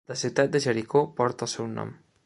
La ciutat de Jericó porta el seu nom.